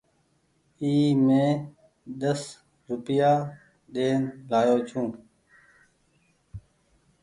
اي مين ديسو روپيا ڏين لآيو ڇون ۔